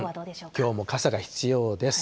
きょうも傘が必要です。